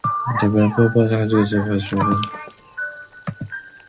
Davenport had gone too far, charisma or no, and the crowd quickly dispersed.